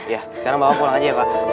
ya sekarang bapak pulang aja ya pak